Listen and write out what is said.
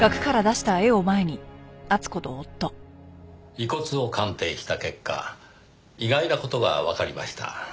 遺骨を鑑定した結果意外な事がわかりました。